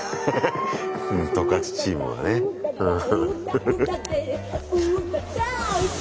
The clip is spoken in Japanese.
十勝チームはねうん。